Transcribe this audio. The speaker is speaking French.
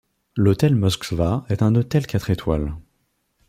L'hôtel Moskva est un hôtel quatre étoiles.